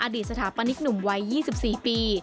อดีตสถาปนิตหนุ่มวัย๒๔ปี